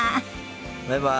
バイバイ！